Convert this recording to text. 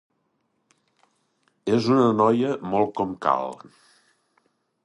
És una noia molt com cal.